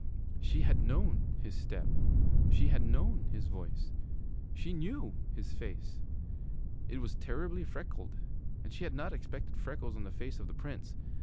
She had known his step; she had known his voice. She knew his face. It was terribly freckled, and she had not expected freckles on the face of the Prince.